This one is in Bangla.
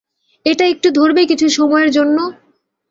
এটা একটু ধরবে কিছু সময়ের জন্য?